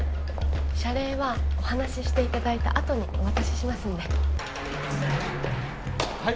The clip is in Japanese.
謝礼はお話ししていただいた後にお渡ししますんではい